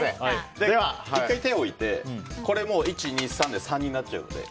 １回手を置いて、１、２、３でも３になっちゃうので。